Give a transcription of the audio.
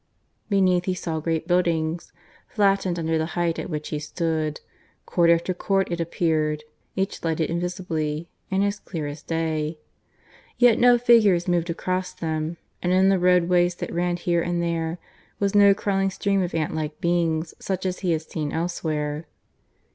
Beneath he saw great buildings, flattened under the height at which he stood court after court, it appeared, each lighted invisibly and as clear as day. Yet no figures moved across them; and in the roadways that ran here and there was no crawling stream of ant like beings such as he had seen elsewhere.